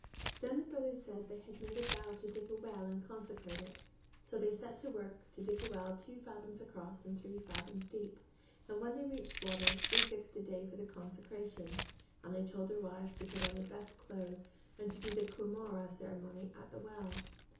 Then the brothers said that they had made a vow to dig a well and consecrate it; so they set to work to dig a well two fathoms across and three fathoms deep; and when they reached water, they fixed a day for the consecration; and they told their wives to put on their best clothes and do the cumaura (betrothal) ceremony at the well.